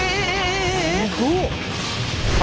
すごっ！